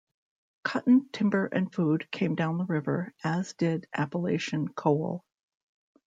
Cotton, timber and food came down the river, as did Appalachian coal.